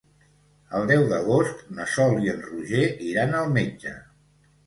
El deu d'agost na Sol i en Roger iran al metge.